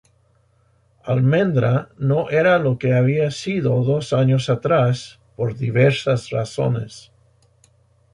Almendra no era lo que había sido dos años atrás, por diversas razones.